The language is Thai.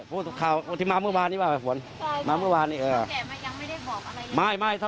พูดทุกข่าวที่มาเมื่อวานนี้บ้างมาเมื่อวานนี้เออท่าแกยังไม่ได้บอกอะไร